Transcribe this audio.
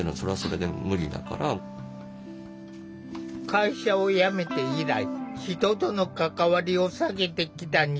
会社を辞めて以来人との関わりを避けてきた新田さん。